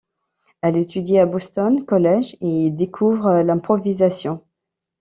Elle étudie à Boston College et y découvre l'improvisation.